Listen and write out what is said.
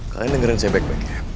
kalian dengerin saya back back ya